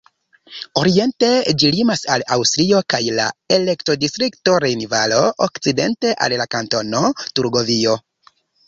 Oriente ĝi limas al Aŭstrio kaj la elektodistrikto Rejnvalo, okcidente al la Kantono Turgovio.